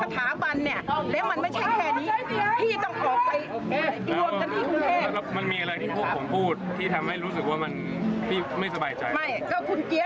ความรู้สึกเหรอความรู้สึกของพี่